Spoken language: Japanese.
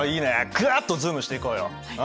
グワっとズームしていこうよ。